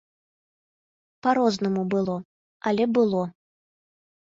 Па-рознаму было, але было.